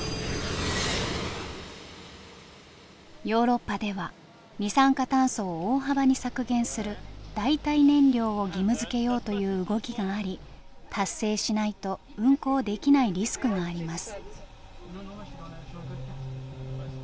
ヨーロッパでは二酸化炭素を大幅に削減する代替燃料を義務づけようという動きがあり達成しないと運航できないリスクがあります。